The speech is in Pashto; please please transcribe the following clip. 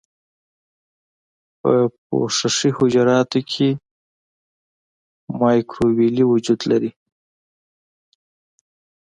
په پوښښي حجراتو کې مایکروویلې وجود لري.